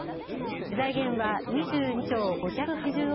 財源は２２兆５８０億